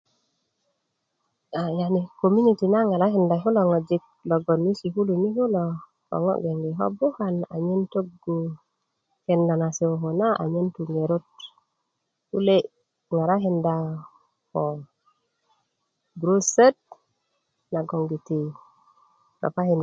a yani kominiti na ŋarakinda kulo ŋojik logon i sukulu ni kulo ko ŋolik ko ŋo bgenge ko bukan anyen togu kenda na se ko anyen tu ŋerot kule ŋarakinda ko gurustöt nagongiti ropakin